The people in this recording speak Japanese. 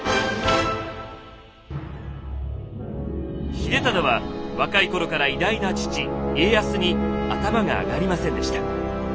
秀忠は若い頃から偉大な父・家康に頭が上がりませんでした。